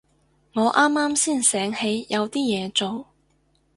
我啱啱先醒起有啲嘢做